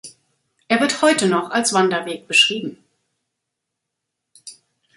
Er wird heute noch als Wanderweg beschrieben.